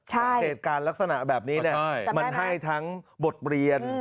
เหตุการณ์ลักษณะแบบนี้มันให้ทั้งบทเรียน